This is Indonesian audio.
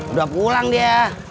udah pulang dia